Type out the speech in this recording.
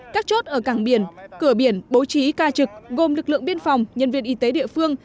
các chốt ở cảng biển cửa biển bố trí ca trực gồm lực lượng biên phòng nhân viên y tế địa phương